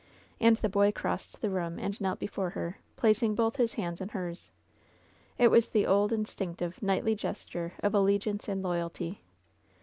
And the boy crossed the room and knelt before her, placing both his hands in hers. It was the old, instinctive, knightly gesture of alle giance and loyalty.